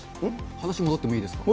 話戻ってもいいですか？